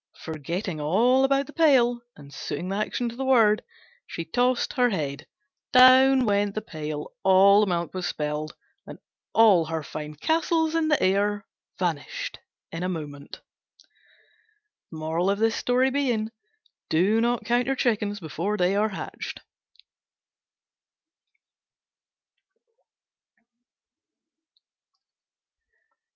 Forgetting all about the pail, and suiting the action to the word, she tossed her head. Down went the pail, all the milk was spilled, and all her fine castles in the air vanished in a moment! Do not count your chickens before they are hatched.